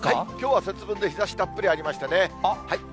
きょうは節分で日ざしたっぷりありましたね。